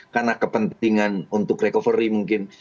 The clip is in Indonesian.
karena kepentingan untuk recovery mungkin